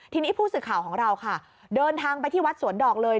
ทีนี้ผู้สื่อข่าวของเราค่ะเดินทางไปที่วัดสวนดอกเลย